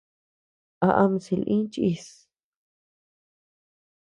¿A am silï chíʼs.